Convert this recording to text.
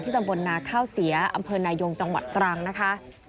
ตำบลนาข้าวเสียอำเภอนายงจังหวัดตรังนะคะ